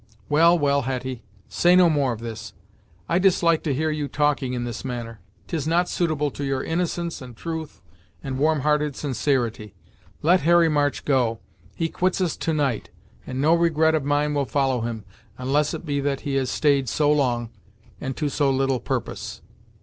"Well, well, Hetty say no more of this. I dislike to hear you talking in this manner. 'Tis not suitable to your innocence, and truth, and warm hearted sincerity. Let Harry March go. He quits us to night, and no regret of mine will follow him, unless it be that he has staid so long, and to so little purpose."